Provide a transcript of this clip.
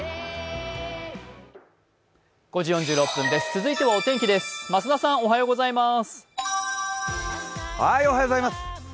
続いてはお天気です、増田さん、おはようございます。